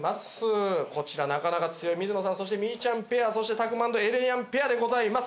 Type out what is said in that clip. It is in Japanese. こちらなかなか強い水野さんみーちゃんペアそしてたくま＆エレにゃんペアでございます。